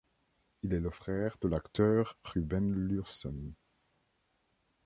Il est le frère de l'acteur Ruben Lürsen.